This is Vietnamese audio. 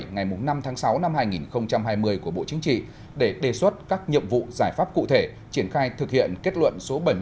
ngày năm tháng sáu năm hai nghìn hai mươi của bộ chính trị để đề xuất các nhiệm vụ giải pháp cụ thể triển khai thực hiện kết luận số bảy mươi năm